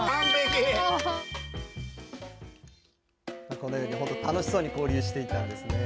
このように本当に楽しそうに交流していたんですね。